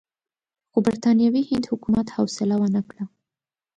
خو برټانوي هند حکومت حوصله ونه کړه.